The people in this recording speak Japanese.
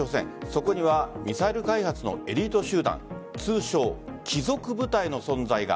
そこにはミサイル開発のエリート集団通称・貴族部隊の存在が。